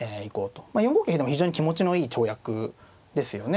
まあ４五桂でも非常に気持ちのいい跳躍ですよね。